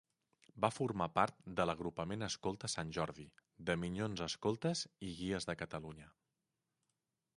Va formar part de l'Agrupament Escolta Sant Jordi, de Minyons Escoltes i Guies de Catalunya.